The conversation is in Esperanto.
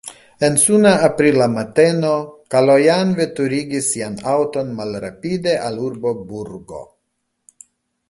En suna aprila mateno Kalojan veturigis sian aŭton malrapide al urbo Burgo.